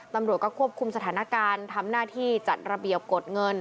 ตำรวจก็ควบคุมสถานการณ์ทำหน้าที่จัดระเบียบกดเงิน